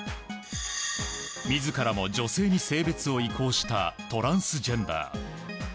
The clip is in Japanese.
自らも女性に性別を移行したトランスジェンダー。